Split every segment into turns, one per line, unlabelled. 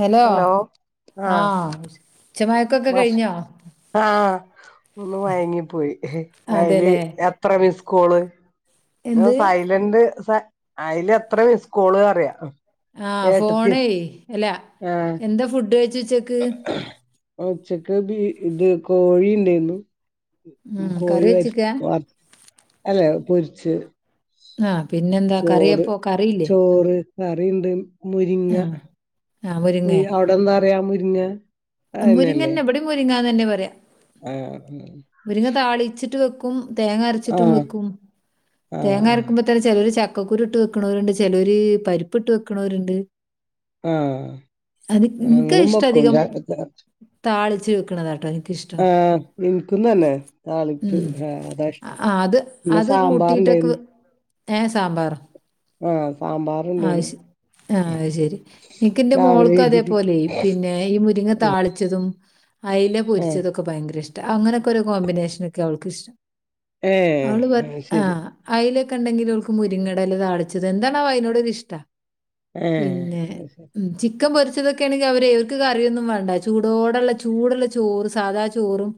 Hello ആ
ആഹ്
തെരക്കൊക്കെ കഴിഞ്ഞോ?
ആ ഒന്ന് മയങ്ങിപ്പോയി അതില്
അതെല്ലേ
എത്ര മിസ്ക്കൊള് ത്
എന്ത്
സൈലന്റ് സ അയില് എത്ര മിസ്കോള് അറിയാ
ആ
ഏട്ടത്തി
ഫോണേയ് അല്ലാ
ആഹ്
എന്താ ഫുഡ് കഴിച്ചേ ഉച്ചക്ക്?
അ ഉച്ചക്ക്ബി ഇത് കോഴി ഉണ്ടായിന്നു.
ഉം കറി
കോഴി
വെച്ചിക്കാ
വർ അല്ല പൊരിച്ച്
ആ പിന്നെന്താ
ചോറ്
കറിയപ്പോ കറിയില്ലേ?
ചോറ് കറിണ്ട് മുരിങ്ങ
ആഹ് ആഹ് മുരിങ്ങേ
അവുടെന്താറിയാ മുരിങ്ങാ
മുരിങ്ങന്നെ ഇവടിം മുരിങ്ങന്നെന്നെ പറയാ
ആ
മുരിങ്ങ താളിച്ചിട്ട് വെക്കും തേങ്ങ അരച്ചിട്ടും
ആഹ്
വെക്കും
ആഹ്
തേങ്ങ
ആഹ്
അരക്കുമ്പോ തന്നെ ചേലോർ ചക്ക ക്കക്കൂരുട്ട് വെക്ണോര് ണ്ട് ചേലോര് പരിപ്പിട്ട് വെക്ക്ണോര്ണ്ട്.
ആഹ്
അത് ഇൻക്ക്
ഞങ്ങളും
ഇഷ്ടം അധികം
വെക്കും
താളി ച്ച് വെക്ക്ണതാട്ടോ.
ആ ഇൻക് ക്കുംതെന്നെ താളിപ്പ്
ഉം.
ഹാ അതാ
ആ
ഇഷ്ടം
ആ, അത്
പിന്നെ
അത്
സാമ്പാർ
കൂട്ടിയിട്ടൊക്കെ
ഇണ്ടായിനും.
വെ- ഏ സാമ്പർ
ആ സാമ്പാർ ഇണ്ടായിനും
ആ അത് ശെരി ഇൻക്ക്ന്റെ മോൾക്ക്
ഇഡ്ലി
അതേപോലെ പിന്നെ ഈ മുരിങ്ങ താളിച്ചതും അയ്‌ല
ആഹ്
പൊരിച്ചതൊക്കെ ഭയങ്കര ഇഷ്ടാ അങ്ങനെയൊക്കെ ഒരു കോമ്പിനേഷനൊക്കെ അവൾക്കിഷ്ടം.
ഏഹ്
അവള് പറി
അത്
ആ
ശരി
അയ്ലക് ഇണ്ടെങ്കിൽ ഓൾക്ക് മുരിങ്ങേട എല താളിച്ചത് എന്താണാവോ അയ്നോട് ഒര് ഇഷ്ട്ടാ
ഏഹ്
പിന്നെ
അത് ശരി
ഉച്ചിയ്ക്ക് ക്ക പൊരിച്ചതൊക്കാണെങ്കി അവരേ അവർക്ക് കറിയൊന്നും വേണ്ട ചൂടോടുള്ള ചൂടുള്ള ചോറ് സാധാ ചോറും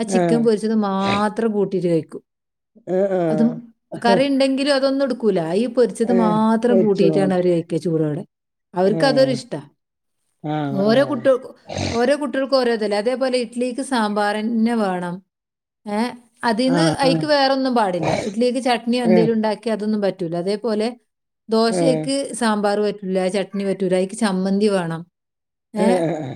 അ ചിക്കെൻ
ആഹ്
പൊരിച്ചത് മാത്രം കൂട്ടിയിട്ട് കഴിക്കും.
ആഹ്
അതും
ആഹ്
കറി ഇണ്ടെങ്കിലും അതൊന്നും എടുക്കൂല ഈ പൊരിച്ചത്
ഏഹ്
മാത് ത്രം
കൊച്ചു
കൂട്ടിയിട്ടാണ് അവര്
മാത്രം
കയിക്ക ചോറവിടെ അവർക്ക്
ഏഹ്
അതൊരിഷ്ടാ
ആഹ്
ഓരോ
ആഹ്
കുട്ടിയൊൾക്കോ ഓരോ കുട്ടിയൾ രോതെല്ലേ അതേപോലെ ഇഡ്ലിക്ക് സാമ്പാറെന്നെ വേണം ഏ അതിന്ന്
ആഹ്
അയ്ക്ക് വേറൊന്നും പാടില്ല ഇഡ്ലിക്ക് ചട്നിയോ
ആഹ്
എന്തേലും ഉണ്ടാക്കിയാ അതൊന്നും പറ്റ് അതേപോലെ
ഏഹ്
ദോശയെക്ക് സാമ്പാർ പറ്റ് ല്ല ചട്നി പറ്റൂലാ അയ്ക്ക് ചമ്മന്തി വേണം ഏ
ഏഹ് ഏഹ്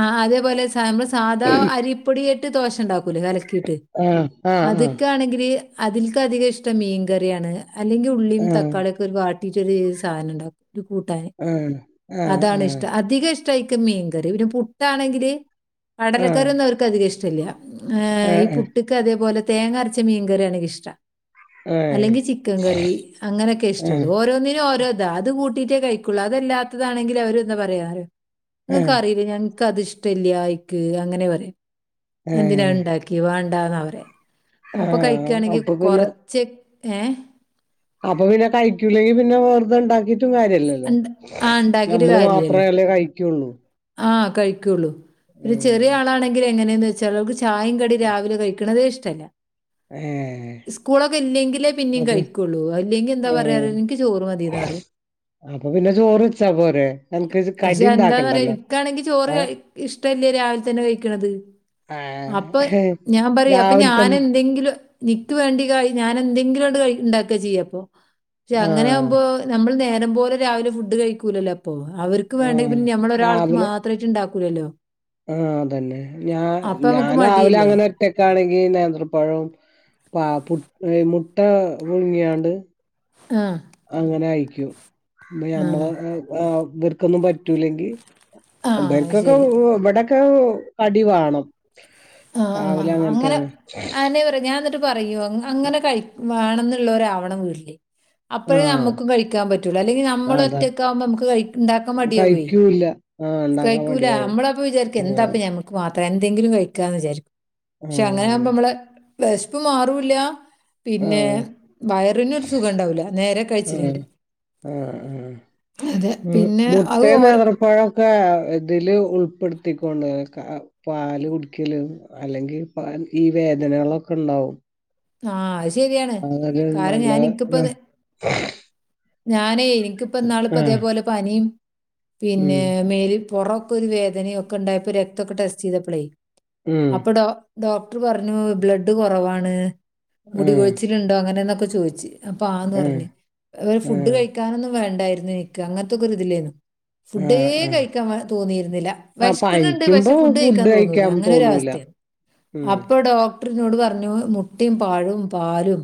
ആ അതേപോലെ സ നമ്മള് സാധാ അരിപ്പൊടിയിട്ട് ദോശ ഇണ്ടാക്കു കുലേ കലക്കീട്ട്
ഏഹ് ആഹ് ആഹ്
അത്ക്ക് ആണെങ്കില് അതിൽക്കധികം ഇഷ്ടം മീൻകറിയാണ്. അല്ലെങ്കിൽ ഉള്ളിയും
ആഹ്
തക്കാളി ഒക്കെ ഒരു വാട്ടിട്ടോര് സാധനം ഇണ്ടാക്കും ഒരു കൂട്ടാന്
ആഹ് ആഹ്
അതാണ് ഇഷ്ടം
ആഹ്
അധികം ഇഷ് ഷ്ടായിക്കും മീൻകറി പിന്നെ പുട്ടാണെങ്കില്
ആഹ്
കടലക്കറിയൊന്നും അവർക്ക് അധികം ഇഷ്ടല്ല ഏ ഈ
ഏഹ് ഏഹ്
പുട്ട്ക്ക് അതേപോലെ തേങ്ങ അരച്ച മീൻകറി എണിക്കിഷ്ട
ഏഹ്
അല്ലെങ്കി ചിക്കൻ കറി അങ്ങനൊക്കെ ഇഷ്ട്ടം
ഏഹ്
ഒന്നിനോരോതാ അത് കൂട്ടീട്ടേ കഴിക്കൊള്ളൂ അതല്ലാത്തതാണെങ്കിൽ അവരെന്താ പര്യാറ്
ഏഹ്
ങ്ങക്കറീലേ ഞങ്ങ്ക്ക്ത്ഷ്ടല്ല ഇക്ക് അങ്ങനെ പറയും എന്തിനാ
ഏഹ്
ണ്ടാക്ക്യേ വാണ്ടാന്നാ പറ്യാ അപ്പൊ
ആഹ്
കഴിക്കയാണെങ്കി
അപ്പൊ പിന്നെ
കൊറ്ച്ച ഏ
അപ്പൊ പിന്നെ കഴിക്കൂലെങ്കി പിന്നെ വെറ്തെണ്ടാക്കീട്ട് ട്ടും കാര്യല്ലല്ലോ
ഉണ്ട്- ആ ഉണ്ടാക്കിയിട്ട്
നമ്മള്
കാര്യമില്ലല്ലോ
മാത്രേല്ലേ കഴിക്കൊള്ളൂ
ആ കഴിക്കൊള്ളൂ പിന്നെ ചെറിയ
ഉം
ആളാണെങ്കിലെങ്ങനേന്നെച്ചാൽ ചായിം കടിം രാവിലെ കഴിക്ക്ണതേ ഇഷ്ടല്ല
ഏഹ്
സ്കൂളൊക്കെ ഇല്ലെങ്കിൽ പിന്നിം
അപ്പൊ
കഴിക്കൊള്ളൂ അല്ലെങ്കി എന്താ പര്യാറ് ഇന്ക്ക് ചോറ് മതീന്ന് പറയുക
അപ്പം പിന്നെ ചോറെച്ചാ പോരെ അന്ക്ക് ജ് കടിണ്ടാക്കണ്ടല്ലോ
ന്ക്കാണെങ്കി ചോറ് ഇഷ്ടെല്ല രാവില്ത്തെന്നെ കഴ്ക്ക്ണത് അപ്പൊ
ആഹ്
ഞാൻ പറിം അപ്പൊ
രാവിലെ തന്നെ
ഞാനെന്തെങ്കിലും നിക്ക് വേണ്ടി കഴി ഞാൻ ഞാനെന്തെങ്കിലാണ്ട് കഴ് ണ്ടാക്കാ ചെയ്യാപ്പോ പക്ഷെ
ആഹ്
അങ്ങനാവുമ്പോ നമ്മൾ നേര് നേരം പോലെ രാവിലെ ഫുഡ് കഴിക്കൂലല്ലപ്പോ അവർക്ക്
ആഹ്
വേണ്ടങ്കിപിന്നെ നമ്മളൊരാൾ വെച്ച്ണ്ടാക്കൂലല്ലോ
ആ അതന്നെ ഞാ ഞാൻ
നമുക്ക് മടിയല്ലേ.
രാവിലങ്ങനെ ഒറ്റക്കാണെങ്കി നേത്രപ്പഴോം പാ പു മുട്ട പുഴ്ങ്ങ്യാണ്ട്
ആ
അങ്ങനെ ആയിരിക്കും ഇ
ആ.
ഞമ്മള ഇവർക്കൊന്നും പറ്റൂല്ലെങ്കിൽ
ആ അത്
ഒമ്പേര്ക്കൊക്കെ
ശരി.
ഇവ്ടൊക്കെ കടി വാണം
ആഹ്
രാവിലെ
അങ്ങനെ
അങ്ങനത്തെണ്
ആണെ [unintelligible] ട്ട് പറയോ അങ്ങനെ കഴി വേണംന്ന്ള്ളോരാവണം വീട്ട്ല് അപ്പഴേ
ആഹ്
നമ്മക്കും കഴിക്കാൻ പറ്റുള്ളൂ അല്ലെങ്കി
അതാ
നമ്മളൊറ്റക്കാകുമ്പോ നമക്ക് കഴ് ണ്ടാക്കാൻ മടിയാവേ
കഴിക്കൂല്ല ആഹ് ഇണ്ടാക്കാൻ
കഴ്ക്കൂല
മടിയാവും
അമ്മളപ്പം വിചാരിക്കാ
ആഹ്
എന്താപ്പ. ഞമ്മക്ക് മാത്ര ത്രേഎന്തെങ്കിലും കഴിക്കാന്ന് വിചാരിക്കും പക്ഷെ അങ്ങനാവുമ്പോ
ആഹ്
മ്മളെ വെശ്പ്പ് മാറൂല്ല
ആഹ്
പിന്നെ വയറിനൊരു സുഖണ്ടാവൂല നേരെ കഴിച്ചീല്ലെങ്കി
ആ മ്
പിന്നെ അത്
മുട്ടേം
ഓരോ
നേന്ത്രപ്പഴൊക്കെ അതിൽ ഉൾപ്പെടുത്തിക്കൊണ്ട് കാ പാൽ കുടിക്കലും അല്ലെങ്കി പാൽഈ വേ വേദനകളൊക്കെണ്ടാവും
ആ അത് ശെരിയാണ് കാരണം
നല്ല
ഞാൻ ഇിക്കിപ്പ ഞാനേ
ആഹ്
ഇന്ക്ക്പ്പന്നാൾപ്പതേപോലെ പനിം പിന്നെ
ഉം
മേൽ പൊറൊക്കൊരു വേദനിം ഒക്കെണ്ടായപ്പോ രക്തൊക്കെ ടെസ്റ്റ്യ്തപ്പളേ
ഉം
അപ്പോ ഡോ ഡോക്ടർ പറ്ഞ്ഞു ബ്ലെഡ് കൊറവാണ്
ആഹ്
മുടികൊഴ്ച്ചിലുണ്ടോ അങ്ങനെന്നൊക്കെ ചോയ്ച്ച് അപ്പ ആന്ന്
ആഹ്
പറ്ഞ്ഞ് അപ്പം ഫുഡ്
ആഹ്
കഴിക്കാനൊന്നും വേണ്ടായ്ര്ന്നെനിക്ക് അങ്ങൻത്തൊക്കൊര്തിലേനു ഫുഡേ
ആഹ് ആഹ്
കഴിക്കാൻ തോന്നീര്ന്നില്ല
ആഹ്
വെഷ്ക്കണ് ണ്ട് പക്ഷെ
പനിക്കുമ്പോ ഫുഡ്
ഫുഡഴ്ക്കാൻ തോന്നൂല
കഴിക്കാൻ തോന്നൂല
അങ്ങനൊരവസ്ഥേനു
ഉം
അപ്പ ഡോ ഡോക്ടറ്ന്നോട് പറ്ഞ്ഞു മുട്ടിം പഴും പാലും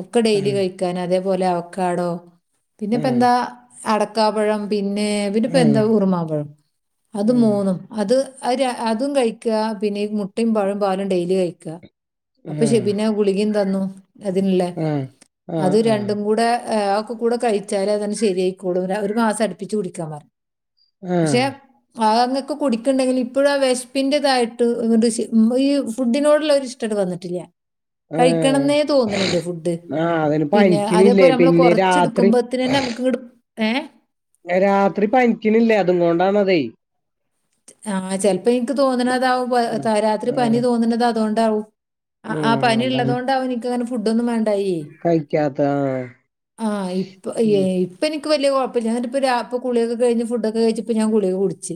ഒക്കെ ഡെയ്ലി
ഉം
കഴിക്കാന് അതേ പോലെ അവക്കാടോ
ഉം
പിന്നെപ്പെന്താ അടക്കാപ്പഴം പിന്നെ
ഉം
പിന്നെപ്പെന്താ ഉറ്മാൻപഴും അത്
ഉം
മൂന്നും അത് അ രം അതും കഴ്ക്കാ പിന്നെ ഈ മുട്ടിം പഴും പാലും ഡെയിലി കഴിക്കാ
അഹാ
പിന്നെ ഗുളികിം തന്നു അതിന്ള്ളേ
ഉം ആഹ്
അത്
ആഹ്
രണ്ടും കൂടെ ഏ ക്കെക്കൂടെ കഴിച്ചാലങ്ങനെ ശെര്യായ്ക്കോളും ഒരു മാസം അടുപ്പിച്ച് കുടിക്കാൻ പറഞ്ഞു
ആഹ്
ആ അങ്ങൊക്കെ കുടിക്ക്ണ്ടെങ്കിൽ ഇപ്പഴും ആ വെഷ്പ്പിൻ്റെതായ്ട്ട് ഈ ഫുഡിനോടുള്ളൊരിഷ്ടാണ്ട് വന്നിട്ടില്ല
ആഹ്
കഴിക്കണംന്നേ തോന്ന്ണില്ല ഫുഡ്
ആഹ് അതിന്
പിന്നെ
പനിക്കണില്ലേ
അതേപോലെ അമ്മള്
പിന്നെ രാത്രി
കൊറ്ച്ച്ട്ക്കുമ്പോത്ത് ത്തന്നെ നമുക്ക്ങ്ങട്ട് ഏ
രാത്രി പനിക്കിണ്ല്ലേ അതും കൊണ്ടാണതേ
ആ ചെലപ്പോ എനിക്ക് തോന്നണതാവും
ഉം
രാത്രി പനി
ആഹ്
തോന്നണുന്നത് അതൊണ്ടാവും ആ ആ
ആഹ്
പനി
അതാണ്
ഉള്ളതൊണ്ടാവ എനക്ക് അങ്ങനെ ഫുഡ ഒന്നും വേണ്ടായേ
താ
ആഹ് ഇപ്പ ഇപ്പൊ ന് ൻക്ക് വല്യ കുഴപ്പല്ല ങ്ങട്ട്പ്പോ രാ പ്പോ കുളൊക്കെ കഴ്ഞ്ഞ് ഫുഡ്ക്കെ കഴിച്ച് പ്പോ ഞാ ഗുളിക കുട്ച്ച്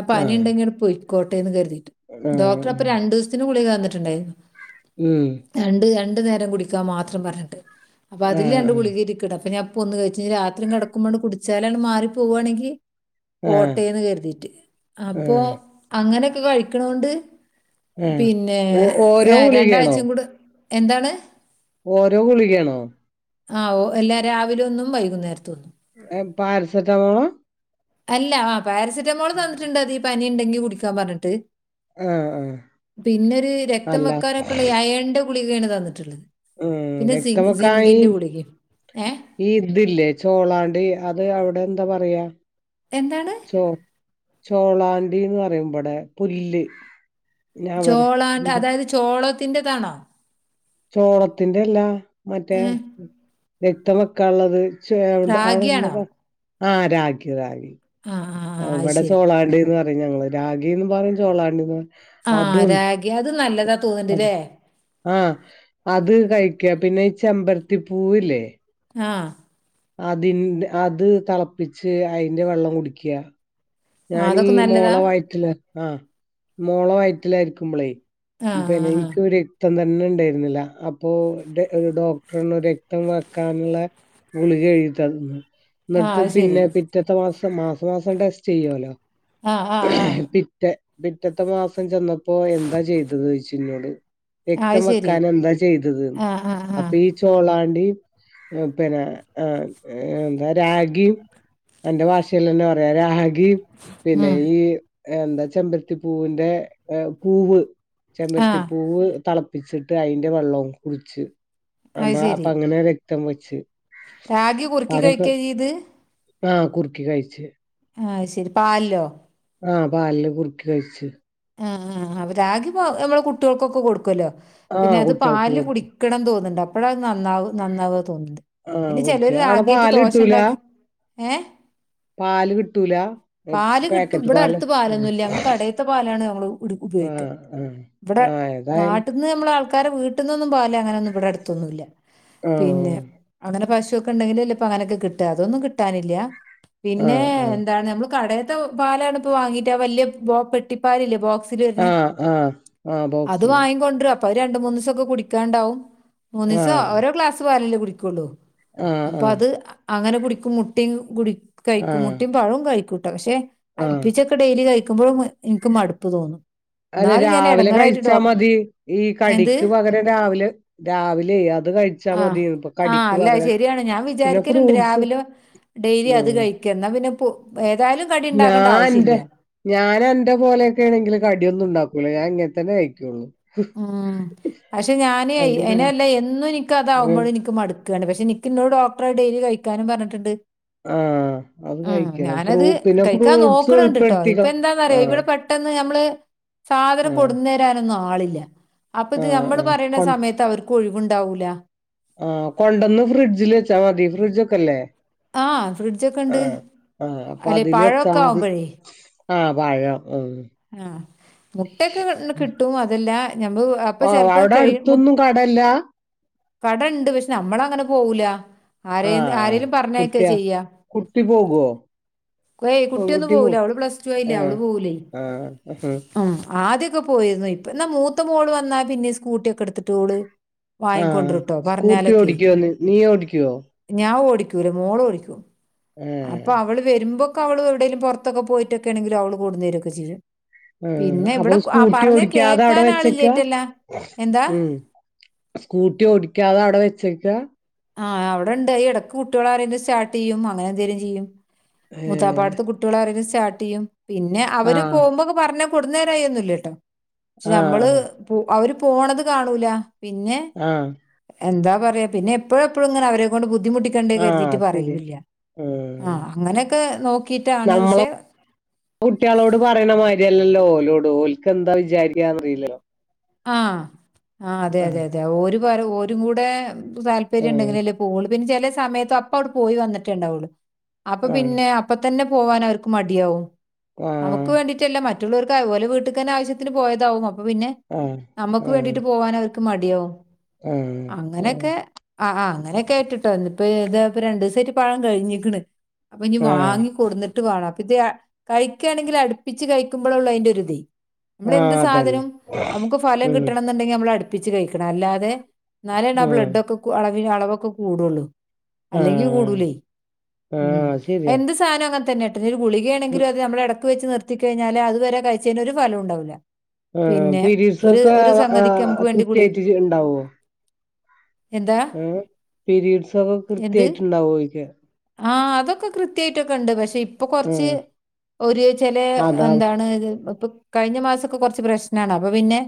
ആ
ആഹ്
പനിണ്ടെങ്കി ങ്ങട്ട് പോയി കോട്ടേന്ന് കരുതീട്ട് ഡോക്ടർ അപ്പൊ
ആഹ്
രണ്ടൂസത്തിന് ഗുളിക തന്ന്ട്ട്ണ്ടാര്ന്നു
ഉം
രണ്ട് രണ്ടു നേരം കുടിക്കാൻ മാത്രം പറഞ്ഞ്ട്ട്
ഏ ഉം
അപ്പം ഞാപ്പൊന്ന് കഴിച്ച് രാത്രി കെടക്കുമ്പണ്ട് കുടിച്ചാലാട്ട് മാറി പോവാണങ്കി
ആഹ്
പോട്ടേന്ന് കരുതിട്ട് അപ്പൊ
ആഹ്
അങ്ങനെക്കെ കഴിക്ക്ണോണ്ട്
ആഹ്
പിന്നെ
ഓ
ഏ
ഓരോ ഗുളികയാണോ
രണ്ടാഴ്ച്ചം കൂടെ എന്താണ്
ഓരോ ഗുളികേണോ
ആ ഓ അല്ല രാവിലെ ന്നും വൈകുന്നേരത്തൊന്നും
ഏ പാരസറ്റമോളാ
അല്ല ആ പാരസെറ്റാമോൾ തന്നിട്ട്ണ്ട് അതി പനി ണ്ടെങ്കി കുടിക്കാ പറഞ്ഞിട്ട്
ആഹ് ആഹ്
പിന്നെര് രക്തം
അല്ല
വെക്കാനൊക്കെള്ള അയേണി ൻ്റെ ഗുളികേണ് തന്നിട്ട്ള്ളത്
ഏ രക്തം വെ ക്കായി
ഗുളികയും ഏ
ഈ ഇത് ല്ലേ ചോളാണ്ടി അത് അ വിടെ എന്താ പറയാ
എന്താണ്
ചോ ചോളാ ണ്ടിന്ന് പറയും മ്പടെ പുല്ല് ഞാൻ പറയാ
ചോളാണ്ട്
എന്താ
അതായത് ചോളത്തിൻ്റതാണോ
ചോളത്തിന്റെ എല്ലാ മറ്റേ
ഏ
രക്തം വെക്കാള്ളത് ചോണ്ട് അവിടെ ന്താ
റാഗിയാണോ
പറ ആ രാഖി റാഖി
ആ ആ ആ, അത്
ഇവിടെ
ശരി
ചോളാണ്ടി ന്ന് പറയും ഞങ്ങള് രാഗിന്ന് പറയും ചോളാണ്ടിന്നു പ
ആ രാഗി അത് നല്ലതാ തോന്ന്ണ്ട്ല്ലേ
ആ അത് കഴിക്ക പിന്നെ ഈ ചെമ്പരത്തി പൂവില്ലേ
ആ
അതിന്റെ അത് തളപ്പിച്ച് അയിന്റെ വെള്ളം കുടിക്ക
ആ,
ഞാനീ
അതൊക്കെ
മോള
നല്ലതാ
വയറ്റില് ആ മോള വയറ്റിലായിരിക്കുമ്പളേ
ആ ആ
പിന്നെ ഇൻക്ക്
ആ
രക്തം ത ന്നെ ണ്ടായിരുന്നില്ല അപ്പൊ ഡോക്ടറർഞ്ഞു രക്തം വെക്കാന്ള്ള ഗുളികഴ്തി തന്ന് ണ്
ആ,
ഇന്നട്ട്
അത് ശരി
പിന്നെ പിറ്റത്ത മാസം മാസമാസം ടെസ്റ്റ് ചെയ്യുല്ലോ
ആ ആ ആ
പിറ്റ പിറ്റത്തെ മാസം ചെന്ന പ്പൊ എന്താ ചെയ്തത് ചോയ്ച്ച് ഇഞ്ഞോട്
ആ, അത് ശരി
രക്തംവെക്കാൻ എന്താ ചെയ്തത്
ആ ആ ആ
അപ്പൊ ഈ ചോളാണ്ടി പിന്നെ ആ എന്താ രാഗിം അന്റെ ഭാഷേലന്നെ പറയാ രാ ഖിം പിന്നെ
ഉം.
ഈ എന്താ ചെമ്പരത്തിപ്പൂവിന്റെ പൂവ്
ആ
ചെമ്പരത്തിപ്പൂവ് തളപ്പിച്ചിട്ട് അയ്ൻ്റെ വെള്ളും കുടിച്ച് അപ്പൊ അങ്ങനെ രക്തം വെച്ച്
രാഖി കുറുക്കി
അതൊക്കെ
കഴിക്കാ ചെയ്ത്
ആ കുർക്കി കഴിച്ച്
ആഹ് ശരി പാൽല്ലോ?
ആഹ് പാൽല് കുറുക്കി കഴിച്ച്
ആ ആ അവ രാകി പോ നമ്മള്കുട്ട്യോൾക്കൊക്കെ കൊടുക്കുല്ലോ
ആ
പിന്നെ അത്
കുട്ടികൾക്ക്
പാല് ല്
കൊടുക്കും
കുടിക്കണംന്ന് തോന്ന്ണ്ട് അപ്പഴത് നന്നാവ് നന്നാവ തോന്ന്ണ്ട്
ആ
പിന്നെ
കുടിക്ക
ചലോര്
അവിടെ
രാഗിയിട്ട്
പാല് കിട്ടൂല
ദോശണ്ടാക്കി ഏ
പാല് കിട്ടൂല
പാല് കിട്ടും
പാക്കറ്റ്
ഇവിടെ
പാല്
അടുത്ത്
ഉം.
പാലൊന്നുംല്ല ഞങ്ങ കടേത്തപാല് ആണ് ഞങ്ങള് ഇട്
ആ
ഉപയോഗിക്കാ.
ആ
ഇവടെ
ആ ഏതായാലും
നാട്ട്ന്ന് നമ്മള് ആൾക്കാരെ വീട്ട്ന്നൊന്നും പാല്ങ്ങനൊന്നും ഇവിടെ അടുത്തൊന്നും ഇല്ല
ആ
പിന്നെ അങ്ങനെ പശു ക്കെണ്ടങ്കില ല്ലേ പ്പം അങ്ങനെക്കെ കിട്ടാ. അതൊന്നും കിട്ടാനില്ല
ആ
പിന്നെ എന്താണ് നമ്മള് കടെ - [unintelligible] പാലാണ് ഇപ്പോ വാങ്ങീട്ട് വലിയ ബോ പെട്ടിപ്പാലില്ലേ ബോ
ആ ആ
[unintelligible]
ആ ആ
അത്
ബോക്സില്
വാങ്ങി കൊണ്ട് വരാം. പ്പൊ അഹ് രണ്ട്മൂന്നീസം ക്കെ കുടിക്കാണ്ടാവും മൂന്നീ
ആ
സോ ഓരോ ക്ലാസ് പാലല്ലേകുടിക്കുള്ളൂ?
ആഹ്
അപ്പൊ അത്
ആഹ്
അങ്ങനെ കുടിക്കും. മുട്ടിം കൂടെ കഴിക്കും
ആഹ്
മുട്ടിം പഴും കഴിക്കും? കേട്ട പക്ഷെ
ആഹ്
അടുപ്പിച്ചൊക്കെ ഡെയിലി കഴിക്കുമ്പോളും എനിക്ക് മടുപ്പ് തോന്നും.
അതെ
എന്നാലും ഞാൻ
രാവിലെ
ഇടങ്ങറായിട്ട് ഡോ
കഴിച്ചാ മതി ഈ
എന്ത്
കടിക്ക് പകരം രാവിലെ രാവിലെ അത് കഴിച്ചാ
ആ
മതി ഇപ്പൊ
ആ
കടിക്ക്
അല്ല അത്
പകരം
ശരിയാണ് ഞാൻ
പിന്നെ
വിചാരിക്കലുണ്ട്
ഫ്രൂട്ട്സ്
രാവിലെ ഡെയിലി അത്
ഉം
കഴി - എന്നാ പിന്നെ പ്പോ ഏതായാലും കടി ഉണ്ടാക്കേണ്ട
ഞാൻ
ആവശ്യ ഇല്ല.
എന്റെ ഞാൻ എന്റെ പോലെയക്ക് ആണെങ്കില് കടിയൊന്നും ഉണ്ടാക്കൂല ഞാൻ ഇങ്ങനെ തന്നെ കഴിക്കുള്ളു.
ഉം പക്ഷെ ഞാന്
കടി ഞാൻ-
എനല്ല എന്നും എനിക്ക അതാവുമ്പോഴ
ഏഹ്
എനിക്ക് മടുക്കുകയാണ് പക്ഷെ- ഇനിക്ക് എന്നോട് ഡോക്ടർ ഡെയിലി കഴിക്കാനും പറഞ്ഞട്ടുണ്ട്?
ആ അത് കഴിക്കണം ഫ്രൂ
കഴിക്കാൻ
ഫ്രൂട്ട്സും
നോക്കണുണ്ട് കേട്ടോ ഇപ്പൊ
ഉൾപ്പെടുത്തിക്കോ? ആ
എന്താന്നറിയോ ഇവിടെ പെട്ടെന്ന് നമ്മള് സാധനം കൊണ്ടുന്നവരാനൊന്നും ആളില്ല. അപ്പൊ ഇത്
ആഹ്
നമ്മള്
ആഹ്
പറയണ സമയത്ത് അവർക്ക് ഒഴിവുണ്ടാവൂല.
ആ കൊണ്ടൊന്ന് ഫ്രിഡ്ജിൽ വെച്ചാ മതി ഫ്രിഡ്ജോക്കെ ഇല്ലേ?
ആ ഫ്രിഡ്ജൊക്കെ
ആ
ഉണ്ട്
ആ അപ്പൊ
അല്ലെ
അതില്
പഴമൊക്കെ
വെച്ചാമതി.
ആവുമ്പോഴേ
ആ പഴം ഉം
ആ മുട്ടൊക്കെ കിട്ടും അതെല്ല ഞമ്മ അപ്പൊ ചെലപ്പോ ക മു -
ആ
കടെണ്ട് പക്ഷെ നമ്മള അങ്ങനെ പോവൂല ആരെ
ആഹ്
ആരെേലും പറഞ്ഞേക്ക
കുട്ടിയ
ചെയ്യാ.
കുട്ടി പോകുവോ
കുട്ടിയൊന്നും
പെൺകുട്ടി പോ
പോകൂല അവള് പ്ലസ് ടു അയില്ലേ അവള്
ആഹ്
പോകൂലേ
ആഹ് ആഹ്
ആദ്യക്കെ? പോയിരുന്നു ഇപ്പ എന്നാ മൂത്ത മോള് വന്നാ പിന്നെ സ്കൂട്ടിയൊക്കെ എടുത്തിട്ട് ഓള്?
ആഹ്
വാങ്ങിക്കൊണ്ടവരുട്ടോ
സ്കൂട്ടി
പറഞ്ഞാലൊക്കെ.
ഓടിക്കോന്ന് നീ ഓടിക്കുവോ
ഞാൻ ഓടി മോള ഓടിക്കും അപ്പൊ
ഏഹ്
അവള് വരും- എനക്ക് അവൾ എവിടെങ്കിലും പോരാതൊക്ക പോയിട്ടൊക്കെണെങ്കിലും അവള് കൊണ്ടോന്ന് തരുവാക്കെ ചെയ്യും?
ആ
പിന്നെ
അപ്പൊ
ഇവിടെ ആ
സ്കൂട്ടി
പറഞ്ഞ
ഓടിക്കാതെ അവിടെ
കേക്കാൻ
വെച്ചേക്കാ
ആളില്ലേറ്റല്ല എന്താ
ഉം സ്കൂട്ടി ഓടിക്കാതെ അവിടെ വെച്ച്.
ആ അവിടെണ്ട് ഇടക്ക് കുട്ടികൾ ആരെങ്കിലും സ്റ്റാർട്ട് ചെയ്യും? അങ്ങനെ എന്തെങ്കിലും ചെയ്യും.
ഏഹ്
മൂത്താപ്പാടത്ത് കുട്ടികളൾ ആരെങ്കിലും സ്റ്റാർട്ട് ചെയ്യും. പിന്നെ അവര്
ആഹ്
പോകുമ്പോക്കെ പറഞ്ഞ- കൊടുനേരയൊന്നുമില്ലാക്കട്ടെ മയില്ലാ കേട്ടാ. പക്ഷെ
ആഹ്
നമ്മള്
ആഹ്
അവര് പോണത് കാണൂല- പിന്നെ
ആഹ്
എന്താ പറയാ പിന്നെ എപ്പോഴും എപ്പോഴും ഇങ്ങനെ അവരെ കൊണ്ട് ബുദ്ധിമുട്ടിക്കണ്ടേ കരുതിയിട്ട്
ആഹ് ശരിയാ
പറയൂല്ല. ആ
ആഹ്
അങ്ങനെയൊക്കെ നോക്കിട്ടാണ്.
നമ്മളെ
പക്ഷെ?
കുട്ടികളോട് പറയുന്ന മാതിരിയല്ലല്ലോ ഓലോട് ഓലക്ക് എന്താ വിചാരിക്കാ എന്ന് അറിയില്ല
ആ ആ അതെ അതെ അതെ ഓരും കൂടെ താല്പര്യം
ആഹ്
ഉണ്ടെങ്കില അല്ലേ പൊക്കൊള്ളൂ പിന്നെ ചെല- സമയത്ത് അപ്പ അവിള് പോയി വന്നിട്ടേണ്ടാവോള്ളു അപ്പൊ
ആഹ്
പിന്നെ അപ്പ തന്നെ പോവാൻ അവർക്ക് മടിയാവും.
ആഹ്
അവക്ക് വേണ്ടിട്ടല്ല മറ്റുള്ളവർക്ക് അതുപോലെ വീട്ടക്ക് തന്നെ ആവശ്യത്തിന് പോയതാവും. അപ്പൊ പിന്നെ?
ആഹ്
നമക്ക്
ആഹ്
വേണ്ടിട്ട് പോവാൻ അവർക്ക്. മടിയാവും
ആഹ് ആഹ്
അങ്ങനെയൊക്കെ ആ ആ അങ്ങനെ കേട്ടിട്ടോ ഇപ്പോ ഇത രണ്ടു ദിവസമായിട്ട് പഴം കഴിഞ്ഞേക്കണ് അപ്പൊ ഇനി
ആഹ്
വാങ്ങി കൊണ്ടൊന്ന് ട്ട് വേണം അപ്പൊ ഇത് കഴിക്കണെങ്കിൽ അടുപ്പിച്ച് കഴിക്കുമ്പോള്ള അതിന്റെ ഒരു ഇതേ. നമ്മള് എന്ത്
ആഹ് അതന്നെ
സാധനം? നമുക്ക് ഫലം
ഉം
കിട്ടണം എന്നുണ്ടെങ്കി നമ്മള് അടുപ്പിച്ച് കഴിക്കണം. അല്ലാതെ എന്നാലണ് ആ
ആഹ്
ബ്ലഡ് ഒക്കെ പിന്നെ അളവൊക്ക് കൂടോള്ളൂ
ആഹ്
അല്ലെങ്കിൽ
ആഹ്
കൂടുല്ലേ ഉം
അത് ശരിയാ
എന്ത് സാധന നിങ്ങ തന്നെട്ടെ ഗളികണെങ്കിലെ അതെ നമ്മള് ഇടക്ക് വെച്ച് നിർത്തിക്കഴിഞ്ഞാല്. അത് വരെ കഴിച്ചതിന് ഒരു ഫലണ്ടാവില്ല.
ആ പീരീഡ്സ് ഒക്കെ ആ
സംഗതിക്ക് നമുക്ക്
ആ
വേണ്ടി കുളി
കൃത്യായിട്ട് ഉണ്ടാവോ?
എന്താ
ഏ പിരീഡ്സ് ഒക്കെ കൃത്യായിട്ട് ഉണ്ടാവോ ഇല്ലേ?
ആഹ് അതൊക്കെ കൃത്യയിട്ട്ക്ക ഉണ്ട് പക്ഷെ? ഇപ്പൊ കൊറച്ച്
ആഹ്
ഒരു ചെല
അതാ
എന്താണ് ഇപ്പൊ കഴിഞ്ഞ മാസാക്കെ കുറച്ച് പ്രശ്നാണ് അപ്പൊ പിന്നെ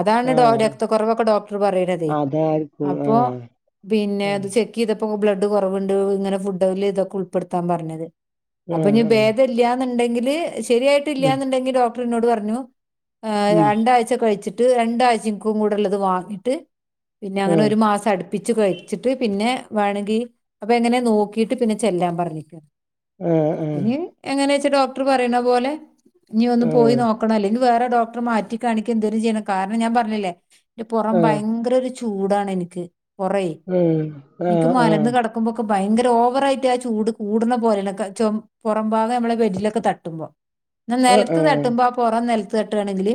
അതാണ് [unintelligible]
ആഹ്
രക്തക്കുറവൊക്കെ ഡോക്ടർ പറയണതേ.
അതായിരിക്കും
അപ്പൊ
ആഹ്
പിന്നെ അത്
ആഹ്
ചെക്ക് ചെയ്ത ബ്ലഡ് കുറവുണ്ട് ഇങ്ങെ ഫുഡ് ഇതൊക്കെ ഉൾപ്പെടുാൻ പറഞ്ഞത്. അപ്പൊ
ആഹ്
ഭേദമീല്ല ണ്ടെങ്കില് ശരിയായിട്ടില്ല
ആഹ് ഉം
എന്നുണ്ടെങ്കിൽ ഡോക്ടർ എന്നോട് പറഞ്ഞു. [unintelligible] [unintelligible] കഴിച്ചിട്ട് രണ്ടാഴ് കൂട് വാങ്ങിട്ട് പിന്നെ അങ്ങനെ
ആഹ്
ഒരു മാസം ടുപി പ്പിച്ച് കഴിച്ചിട്ട് പിന്നെ വേണെങ്കി അപ്പൊ എങ്ങനെ നോക്കിട്ട് പിന്നെ ചെല്ലാൻ പറഞ്ഞു.
ആഹ് ആഹ്
പിന് എങ്ങനെയ വച്ചാ ഡോക്ടർ പറയണ പോലെ. നീ ഒന്ന് പോയി
ആഹ്
നോക്കണം. അല്ലെങ്കിൽ വേറെ ഡോക്ടറെ മാറ്റി കാണിക്ക എന്തേലും ചെയ്യണം. കാരണം ഞാൻ പറഞ്ഞില്ലേ? പുറം
ആഹ്
ഭയങ്കര ഒരു ചൂടാണ്. എനിക്ക് പുറ
ഉം
എനിക്ക്
ആഹ്
മലന്ന്
ആഹ്
കിടക്കുമ്പോക്കെ ഭയങ്കര ഓവറായിട്ട് ആ ചൂട് കൂടുന്ന പോലെയുള്ളെ ച പുറംമ്പാകം നമ്മളെ ബെഡിലൊക്കെ തട്ടുമ്പോ. ഇ
ആഹ്
നിലത്ത്
ആഹ്
തട്ടുമ്പോ ആ പുറം നിലത്ത് തട്ടുകയാണെങ്കില്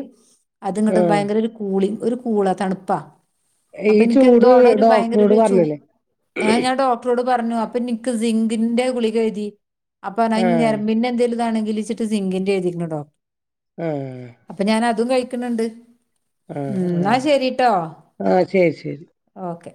അത് ഇങ്ങട്ട്
ആഹ്
ഭയങ്കര ഒരു കൂളി ഒരു കൂളാ തണുപ്പാ.
ഈ
അപ്പൊ എനിക്ക് എന്തോ
ചൂട്
അവിടെ ഒരു ഭയങ്കര
ഡോക്ടറോട്
ഒരു ചൂ
പറഞ്ഞില്ലേ
ഏ ഞാൻ ഡോക്ടറോട് പറഞ്ഞു അപ്പൊ നി [unintelligible] സിന്റെ ഗുളിക എഴുതി. അപ്പ
ആ.
നരമ്പിൻറ എന്തകിലും ഇതണ്. [unintelligible] സിംഗിന്റെ എഴുതിുന്നു ഡോ
ഹോ
അതും കഴിക്കണണ്ട് ഉ എന്നാ
ആ.
ശരിട്ടോ
ആ. ശരി, ശരി.
ഓക്കെ.